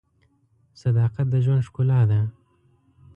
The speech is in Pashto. صداقت د ژوند ښکلا ده.